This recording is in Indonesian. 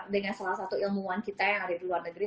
dengan salah satu ilmuwan kita yang ada di luar negeri